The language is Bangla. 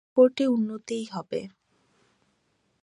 আমার রিপোর্টে উন্নতিই হবে।